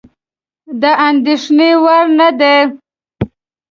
د اندېښنې وړ نه دي.